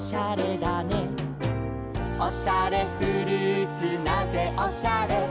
「おしゃれフルーツなぜおしゃれ」